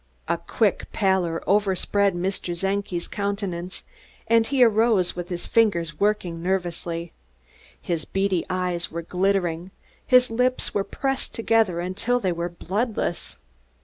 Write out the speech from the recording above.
A quick pallor overspread Mr. Czenki's countenance, and he arose with his fingers working nervously. His beady eyes were glittering; his lips were pressed together until they were bloodless.